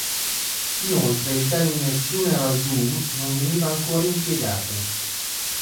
Inoltre il termine "funeral doom" non veniva ancora impiegato.